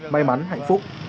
may mắn hạnh phúc